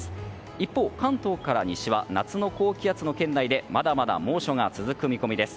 一方、関東から西は夏の高気圧の圏内でまだまだ猛暑が続く見込みです。